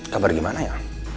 kabar gimana ya